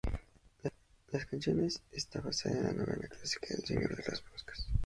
La canción está basada en la novela clásica de "El señor de las moscas".